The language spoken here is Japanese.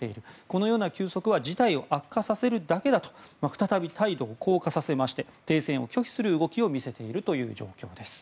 このような休息は事態を悪化させるだけだと再び態度を硬化させまして停戦を拒否する動きを見せているという状況です。